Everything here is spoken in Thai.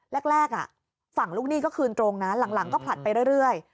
แรกฝั่งลูกหนี้ก็คืนตรงนะหลังก็ผลัดไปเรื่อย